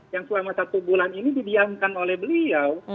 yang selama satu bulan ini didiamkan oleh beliau